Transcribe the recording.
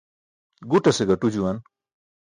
Guṭase gaṭu juwan